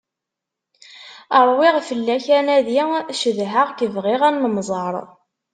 Ṛwiɣ fell-ak anadi, cedheɣ-k, bɣiɣ ad nemmẓer.